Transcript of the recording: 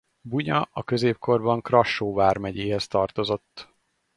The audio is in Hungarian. Bunya a középkorban Krassó vármegyéhez tartozott.